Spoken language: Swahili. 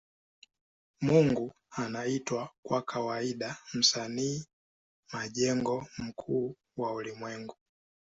Mungu anaitwa kwa kawaida Msanii majengo mkuu wa ulimwengu.